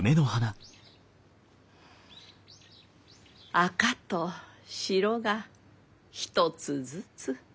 赤と白が一つずつ。